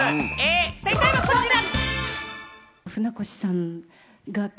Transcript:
正解は、こちら。